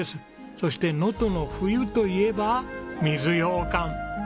そして能登の冬といえば水ようかん。